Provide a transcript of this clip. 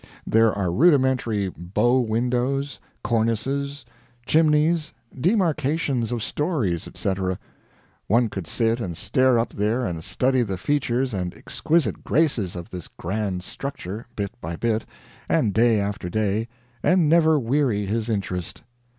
There are rudimentary bow windows, cornices, chimneys, demarcations of stories, etc. One could sit and stare up there and study the features and exquisite graces of this grand structure, bit by bit, and day after day, and never weary his interest.